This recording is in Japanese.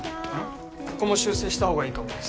ここも修正した方がいいかもです。